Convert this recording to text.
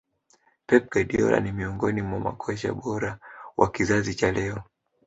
pep guardiola ni miongoni mwa makocha bora wa kizazi cha leo